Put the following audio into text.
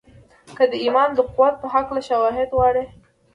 که د ايمان د قوت په هکله شواهد غواړئ.